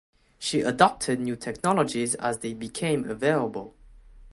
She adopted new technologies as they became available.